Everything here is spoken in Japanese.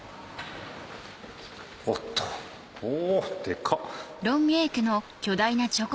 おっとおデカ！